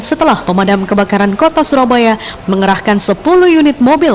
setelah pemadam kebakaran kota surabaya mengerahkan sepuluh unit mobil